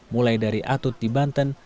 mulai dari atut di banten